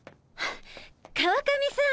川上さん